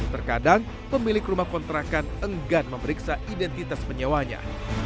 terkadang pemilik rumah kontrakan enggan memeriksa identitas penyewanya